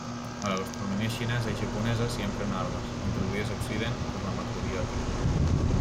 A la gastronomia xinesa i japonesa s'hi empren algues, introduïdes a Occident per la macrobiòtica.